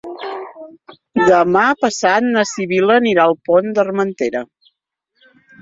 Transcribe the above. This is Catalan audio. Demà passat na Sibil·la anirà al Pont d'Armentera.